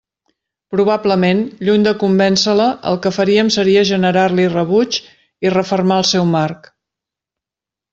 Probablement, lluny de convéncer-la el que faríem seria generar-li rebuig i refermar el seu marc.